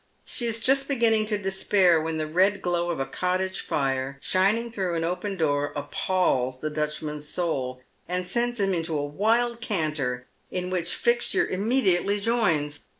She is just beginning to despair, when the red glow of a cottage fire, shining through an open door, appals the Dutch man's soul, and sends him into a wild canter, in which Fixture immediately joins.